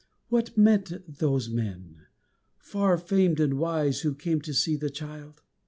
. What meant those men, Far famed and wise, who came to see the Child?